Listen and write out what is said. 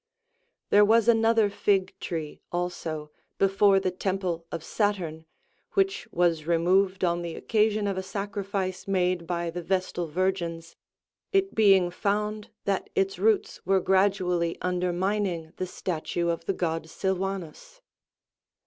73 There was another fig tree also, before the temple of Sa turn,74 which was removed on the occasion of a sacrifice made by the Yestal Virgins, it being found that its roots were gra dually undermining the statue of the god Silvanus.